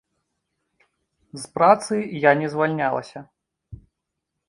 З працы я не звальнялася.